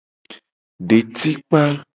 Detikpa.